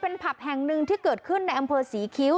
เป็นผับแห่งหนึ่งที่เกิดขึ้นในอำเภอศรีคิ้ว